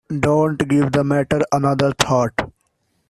Don't give the matter another thought.